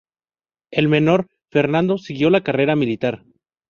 El menor, Fernando, siguió la carrera militar.